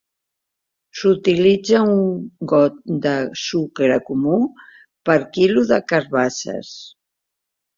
S'utilitza un got de sucre comú per quilo de carabasses.